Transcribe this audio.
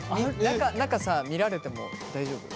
中さ見られても大丈夫？